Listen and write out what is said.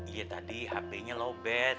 iya tadi hp nya lowbat